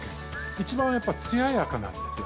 一番やっぱつややかなんですよ。